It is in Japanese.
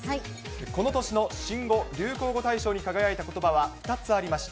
この年の新語・流行語大賞に輝いたことばは、２つありました。